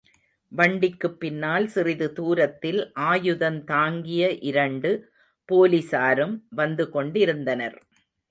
வண்டிக்குப்பின்னால் சிறிது தூரத்தில் ஆயுதந்தாங்கிய இரண்டு போலிஸாரும் வந்துகொண்டிருந்தனர்.